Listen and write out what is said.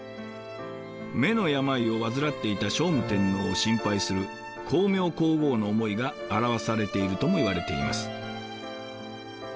目の病を患っていた聖武天皇を心配する光明皇后の思いが表されているともいわれています。